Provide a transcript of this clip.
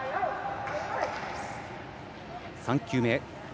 ３球目。